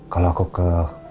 kalau aku ke